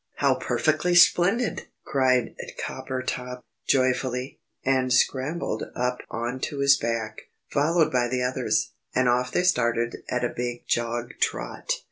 "How perfectly splendid!" cried Coppertop, joyfully, and scrambled up on to his back, followed by the others. And off they started at a big jog trot.